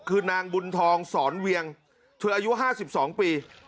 คือนางบุญทองสอนเวียงเธออายุห้าสิบสองปี